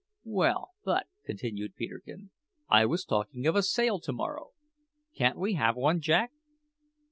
"Well, but," continued Peterkin, "I was talking of a sail to morrow. Can't we have one, Jack?"